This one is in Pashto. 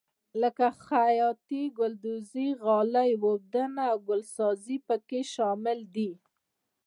لکه خیاطي ګلدوزي غالۍ اوبدنه او ګلسازي پکې شامل دي.